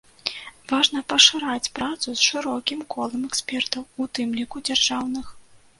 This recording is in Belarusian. Важна пашыраць працу з шырокім колам экспертаў, у тым ліку дзяржаўных.